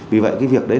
vì vậy cái việc đấy